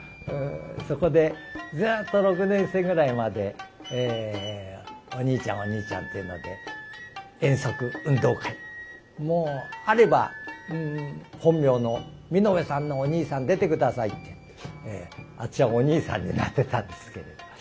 そこでずっと６年生ぐらいまで「おにいちゃんおにいちゃん」って言うので遠足運動会もうあれば本名の「美濃部さんのお兄さん出て下さい」って私はお兄さんになってたんですけれど。